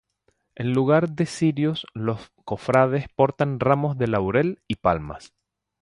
En lugar de cirios los cofrades portan ramos de laurel y palmas.